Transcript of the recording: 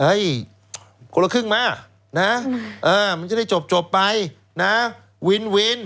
เอ้ยคนละครึ่งมานะเออมันจะได้จบจบไปนะวินวิน